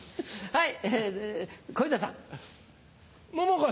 はい。